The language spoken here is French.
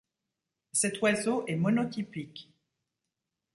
Cet oiseau est monotypique.